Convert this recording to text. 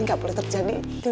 ini gak boleh terjadi